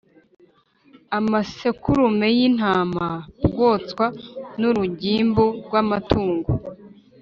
amasekurume y’intama byoswa n’urugimbu rw’amatungo